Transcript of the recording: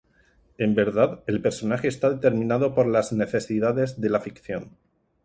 En verdad, el personaje está determinado por las necesidades de la ficción.